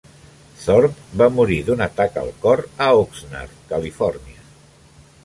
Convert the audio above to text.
Thorp va morir d'un atac al cor a Oxnard, Califòrnia.